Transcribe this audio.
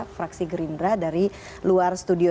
fraksi gerindra dari luar studio